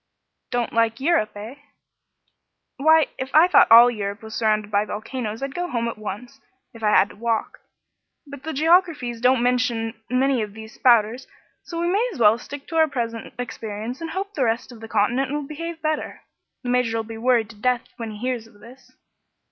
"Don't like Eu rope, eh?" "Why, if I thought all Europe was surrounded by volcanoes, I'd go home at once, if I had to walk. But the geographies don't mention many of these spouters, so we may as well stick out our present experience and hope the rest of the continent will behave better. The Major'll be worried to death when he hears of this."